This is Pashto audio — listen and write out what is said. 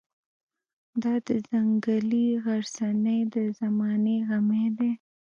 دا د ځنګلي غرڅنۍ د زمانې غمی دی.